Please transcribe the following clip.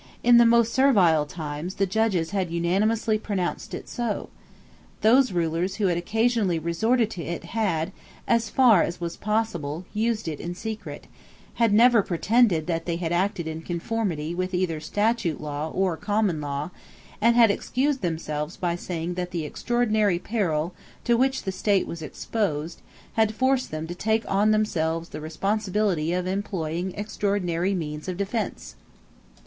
In the most servile times the judges had unanimously pronounced it so. Those rulers who had occasionally resorted to it had, as far as was possible, used it in secret, had never pretended that they had acted in conformity with either statute law or common law, and had excused themselves by saying that the extraordinary peril to which the state was exposed had forced them to take on themselves the responsibility of employing extraordinarily means of defence.